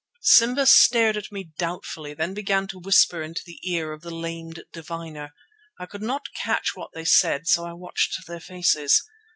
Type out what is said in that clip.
Simba stared at me doubtfully, then began to whisper into the ear of the lamed diviner. I could not catch what they said, so I watched their faces.